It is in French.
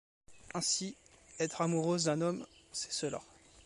Ainsi, être amoureuse d’un homme, c’est cela.